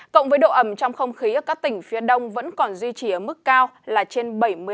cộng với độ ẩm trong không khí ở các tỉnh phía đông vẫn còn duy trì ở mức cao là trên bảy mươi năm